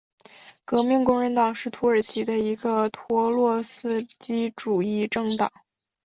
革命工人党是土耳其的一个托洛茨基主义政党。